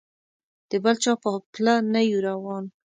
د بل چا په پله نه یو روان.